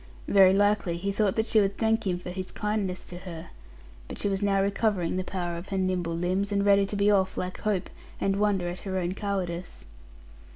Very likely, he thought that she would thank him for his kindness to her. But she was now recovering the power of her nimble limbs; and ready to be off like hope, and wonder at her own cowardice.